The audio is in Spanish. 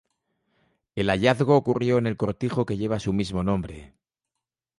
El hallazgo ocurrió en el cortijo que lleva su mismo nombre.